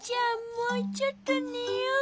もうちょっとねよう。